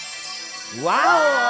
ワオ！